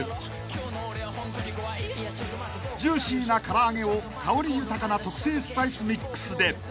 ［ジューシーな唐揚げを香り豊かな特製スパイスミックスで］